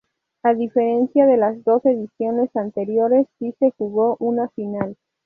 A diferencia de las dos ediciones anteriores, si se jugó una final.